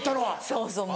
そうそう。